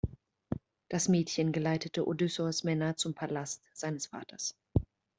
Das Mädchen geleitete Odysseus’ Männer zum Palast seines Vaters.